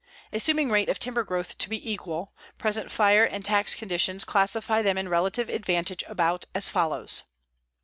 Assuming rate of timber growth to be equal, present fire and tax conditions classify them in relative advantage about as follows: 1.